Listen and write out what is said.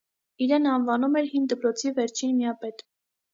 Իրեն անվանում էր «հին դպրոցի վերջին միապետ»։